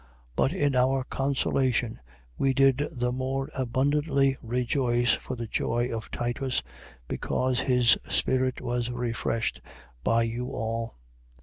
But in our consolation we did the more abundantly rejoice for the joy of Titus, because his spirit was refreshed by you all.